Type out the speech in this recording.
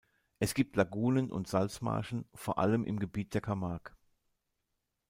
Es gibt Lagunen und Salzmarschen, vor allem im Gebiet der Camargue.